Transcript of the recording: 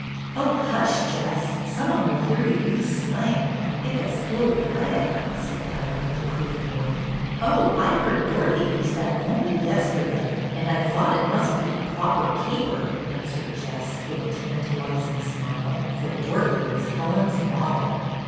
" Oh, hush, Jess! Some one will hear you use slang, and think us ill bred," said Helen, reprovingly. " Oh, I heard Dorothy use that only yes terday, and I thought it must be the projaer io8 BETTY BAIRD caper," answered Jess, with a tantalizing smile, for Dorothy was Helen's model.